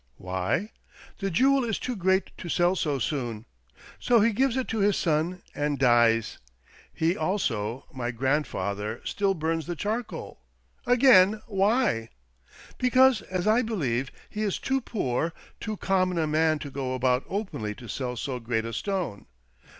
Why ? The jewel is too great to sell so soon. So he gives it to his son and dies. He also, my grand father, still burns the charcoal. Again, why? O 110 THE DOBBINGTON DEED BOX Because, as I believe, he is too poor, too common a man to go about openly to sell so great a stone.